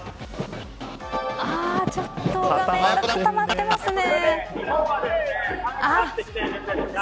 ちょっと画面が固まってますね。